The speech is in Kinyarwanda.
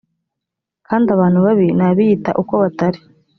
kandi abantu babi n abiyita uko batari